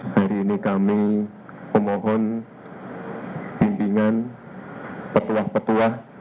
hari ini kami memohon pimpinan petuah petuah